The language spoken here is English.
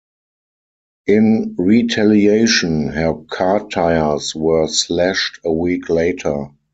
In retaliation, her car tires were slashed a week later.